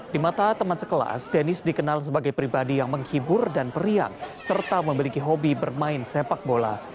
di mata teman sekelas dennis dikenal sebagai pribadi yang menghibur dan periang serta memiliki hobi bermain sepak bola